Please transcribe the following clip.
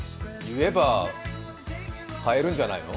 言えば買えるんじゃないの？